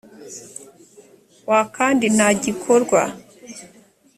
wa kandi nta gikorwa